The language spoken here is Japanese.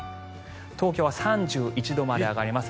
東京は３１度まで上がります。